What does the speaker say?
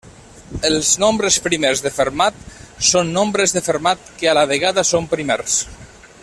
Els nombres primers de Fermat són nombres de Fermat que a la vegada són primers.